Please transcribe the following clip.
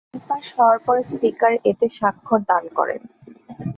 বিল pass হওয়ার পর speaker এতে স্বাক্ষর দান করেন।